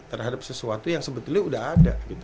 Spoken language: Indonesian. terhadap sesuatu yang sebetulnya sudah ada